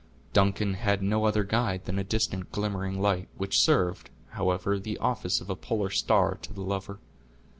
Duncan had no other guide than a distant glimmering light, which served, however, the office of a polar star to the lover.